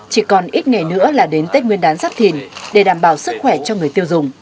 chỉ còn ít ngày nữa là đến tết nguyên đán giáp thìn để đảm bảo sức khỏe cho người tiêu dùng